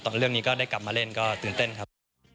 ตอนนี้ก็ได้กลับมาเล่นก็ตื่นเต้นครับ